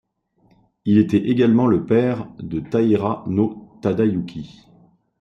Il était également le père de Taira no Tadayuki.